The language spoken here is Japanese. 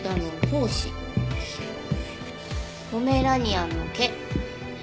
ポメラニアンの毛。